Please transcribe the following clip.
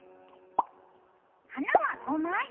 花は５枚。